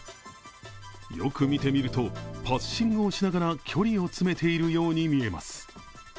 よく見てみると、パッシングをしながら距離を詰めているように見えます。